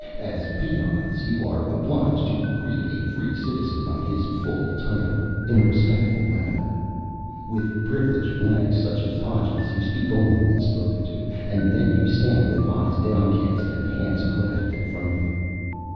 As peons, you are obliged to greet a Free Citizen by his full title, in a respectful manner. With Privileged ranks such as Hadjis you speak only when spoken to, and then you stand with eyes downcast and hands clasped in front of you.